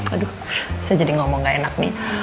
aduh saya jadi ngomong gak enak nih